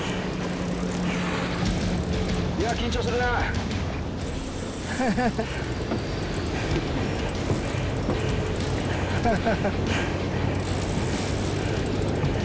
いや緊張するなハハハハハハ